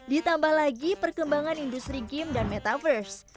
ditambah lagi perkembangan industri game dan metaverse